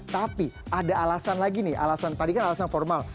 tapi ada alasan lagi nih alasan tadi kan alasan formal